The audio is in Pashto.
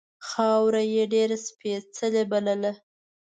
خاوره یې ډېره سپېڅلې بلله.